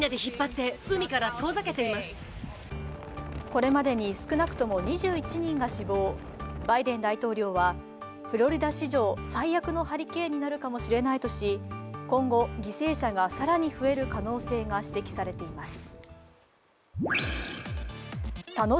これまでに少なくとも２１人が死亡バイデン大統領は、フロリダ史上最悪のハリケーンになるかもしれないとし、今後、犠牲者が更に増える可能性が指摘されています。